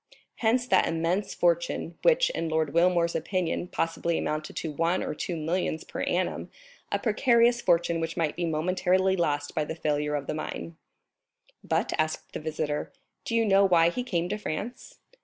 Hence that immense fortune, which, in Lord Wilmore's opinion, possibly amounted to one or two millions per annum,—a precarious fortune, which might be momentarily lost by the failure of the mine. "But," asked the visitor, "do you know why he came to France?"